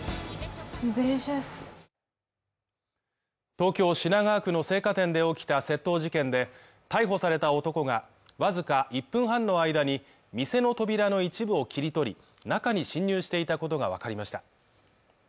東京・品川区の青果店で起きた窃盗事件で逮捕された男が、わずか一分半の間に、店の扉の一部を切り取り、中に侵入していたことがわかりました。